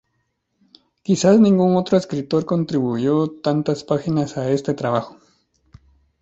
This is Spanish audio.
Quizás ningún otro escritor contribuyó tantas páginas a este trabajo.